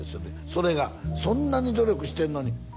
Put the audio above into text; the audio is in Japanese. それがそんなに努力してんのにで